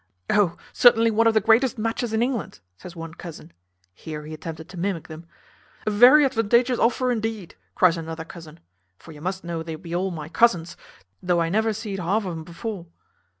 `O! certainly one of the greatest matches in England,' says one cousin (here he attempted to mimic them); `A very advantageous offer indeed,' cries another cousin (for you must know they be all my cousins, thof I never zeed half o' um before).